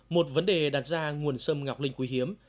một vấn đề đặt ra nguồn sâm ngọc linh quý hiếm